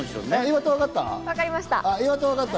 岩田はわかった？